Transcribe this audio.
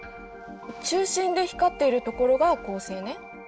中心で光っているところが恒星ね。